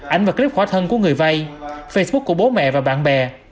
ảnh và clip khỏa thân của người vay facebook của bố mẹ và bạn bè